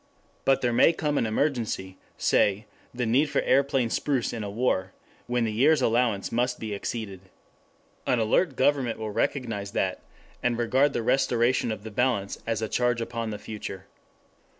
But there may come an emergency, say the need for aeroplane spruce in a war, when the year's allowance must be exceeded. An alert government will recognize that and regard the restoration of the balance as a charge upon the future.